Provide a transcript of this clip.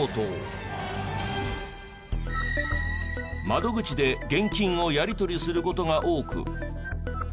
窓口で現金をやり取りする事が多く。